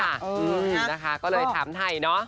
อืมนะคะก็เลยถามไทยเนอะ